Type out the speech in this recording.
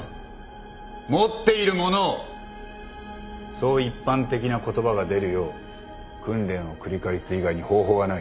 そう一般的な言葉が出るよう訓練を繰り返す以外に方法はない。